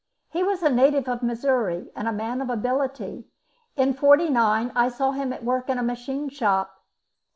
He was a native of Missouri, and a man of ability; In '49 I saw him at work in a machine shop.